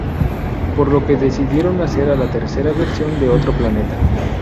Por lo que decidieron hacer a la tercera versión de otro planeta.